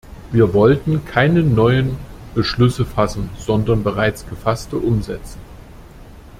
Wir wollten keine neuen Beschlüsse fassen, sondern bereits gefasste umsetzen.